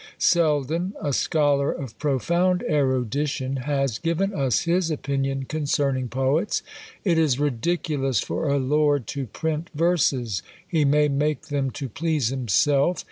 Selden, a scholar of profound erudition, has given us his opinion concerning poets. "It is ridiculous for a lord to print verses; he may make them to please himself.